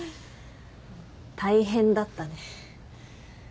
大変だったね。